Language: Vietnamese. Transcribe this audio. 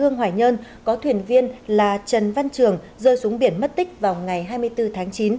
hương hoài nhơn có thuyền viên là trần văn trường rơi xuống biển mất tích vào ngày hai mươi bốn tháng chín